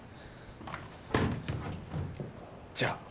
じゃあ。